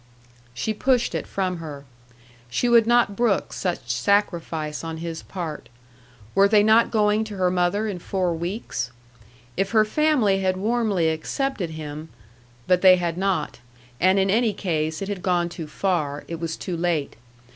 She pushed it from her. She would not brook such sacrifice on his part. Were they not going to her mother in four weeks? If her family had warmly accepted him but they had not; and in any case, it had gone too far, it was too late.